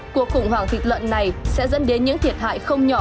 cuộc khủng hoảng thịt lợn này sẽ dẫn đến những thiệt hại không nhỏ